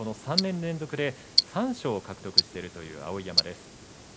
３年連続で三賞を獲得しているという碧山です。